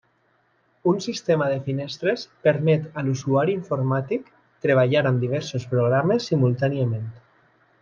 Un sistema de finestres permet a l'usuari informàtic treballar amb diversos programes simultàniament.